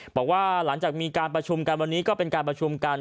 บอกว่าหลังจากมีการประชุมกันวันนี้ก็เป็นการประชุมกัน